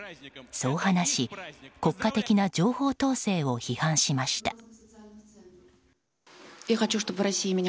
そう話し、国家的な情報統制を批判しました。